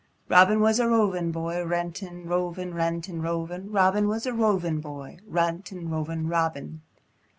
Chor. Robin was a rovin' boy, Rantin', rovin', rantin', rovin', Robin was a rovin' boy, Rantin', rovin', Robin!